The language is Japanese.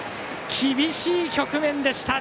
厳しい局面でした。